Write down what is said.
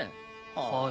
はい。